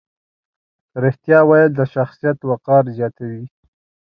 رښتیا ویل د شخصیت وقار زیاتوي.